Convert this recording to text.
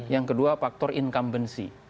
yang kedua faktor incumbency